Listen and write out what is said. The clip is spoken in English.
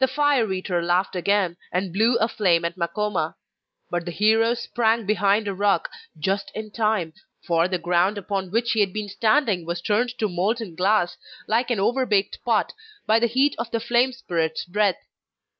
The fire eater laughed again, and blew a flame at Makoma. But the hero sprang behind a rock just in time, for the ground upon which he had been standing was turned to molten glass, like an overbaked pot, by the heat of the flame spirit's breath.